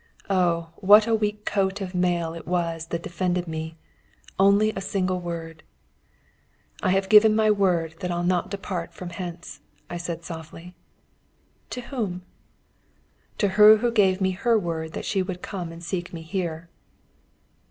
Oh, what a weak coat of mail it was that defended me only a single word! "I have given my word that I'll not depart from hence," I said softly. "To whom?" "To her who gave me her word that she would come and seek me here."